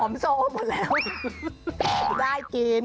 หอมโซ่หมดแล้ว